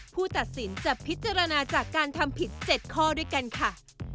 ผู้ตัดสินจะพิจารณาจากการทำผิด๗ข้อด้วยกันค่ะ